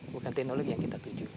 bukan teknologi yang kita tuju